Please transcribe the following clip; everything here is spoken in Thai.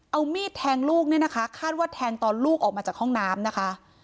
เอามีดแทงลูกเนี่ยนะคะคาดว่าแทงตอนลูกออกมาจากห้องน้ำนะคะ